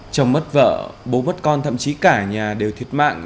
chồng mất vợ bố mất con thậm chí cả nhà đều thiệt mạng